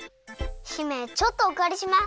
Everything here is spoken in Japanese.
姫ちょっとおかりします。